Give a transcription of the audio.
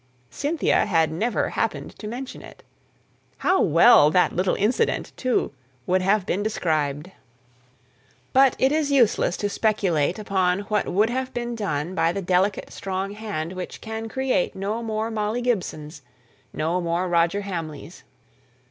Cynthia had never happened to mention it. How well that little incident, too, would have been described! But it is useless to speculate upon what would have been done by the delicate strong hand which can create no more Molly Gibsons no more Roger Hamleys.